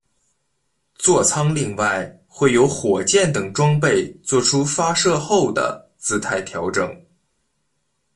坐舱另外会有火箭等装备作出发射后的姿态调整。